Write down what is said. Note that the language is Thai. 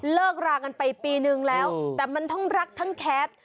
เลิกรากันไปปีนึงแล้วแต่มันทั้งรักทั้งแคส